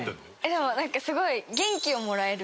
でもなんかすごい。